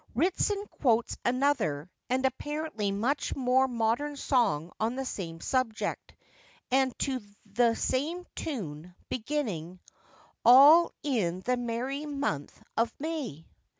Ritson quotes another, and apparently much more modern song on the same subject, and to the same tune, beginning,— All in the merry month of May.